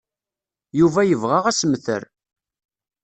Yuba yebɣa assemter.